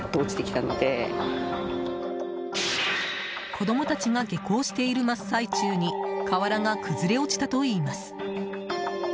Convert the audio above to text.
子供たちが下校している真っ最中に瓦が崩れ落ちたといいます。